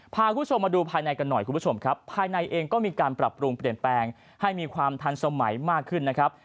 พาคุณผู้ชมมาดูภายในกันหน่อยคุณผู้ชมครับภายในเองก็มีการปรับปรุงเปลี่ยนแปลงให้มีความทันสมัยมากขึ้นนะครับ